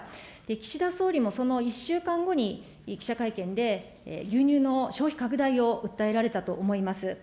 岸田総理も、その１週間後に記者会見で、牛乳の消費拡大を訴えられたと思います。